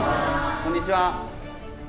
こんにちは。